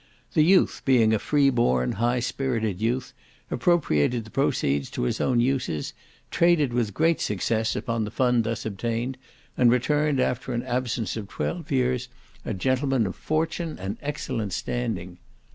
The youth, being a free born high spirited youth, appropriated the proceeds to his own uses, traded with great success upon the fund thus obtained, and returned, after an absence of twelve years, a gentleman of fortune and excellent standing.